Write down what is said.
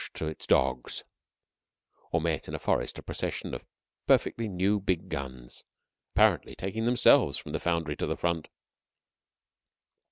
to its dogs; or met, in a forest, a procession of perfectly new big guns, apparently taking themselves from the foundry to the front?